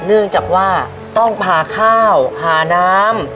เนื่องจากว่าต้องหาข้าวหาน้ำ